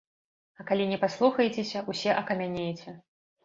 А калі не паслухаецеся, усе акамянееце.